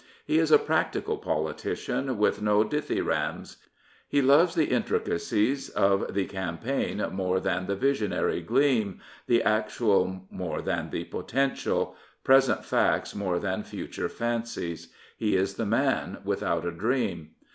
He is a practical politician, with no dithyrambs. He loves the intricacies of the cam* paign more than the visionary gleam, the actual more than the potential, present facts more than future fancies. He is the man without a dream.